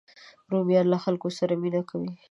رومیان له خلکو سره مینه کوي